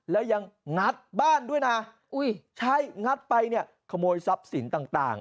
แล้วยังงัดบ้านด้วยนะใช่งัดไปเนี่ยขโมยทรัพย์สินต่าง